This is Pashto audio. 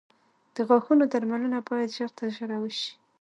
د غاښونو درملنه باید ژر تر ژره وشي.